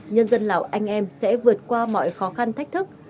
nhân dân lào anh em sẽ vượt qua mọi khó khăn thách thức